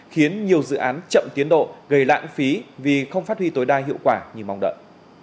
khiến nhiều dự án chậm tiến độ gây lãng phí vì không phát huy tối đa hiệu quả như mong đợi